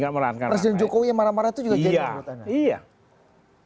presiden jokowi yang marah marah itu juga genuin